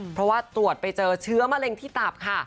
เพราะว่าตรวจไปเจอเชื้อมะเร็งที่ตับค่ะ